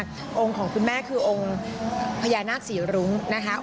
ที่ประธานพญานาคองค์ของคุณแม่คือองค์พญานาคศรีรุ้งนะคะ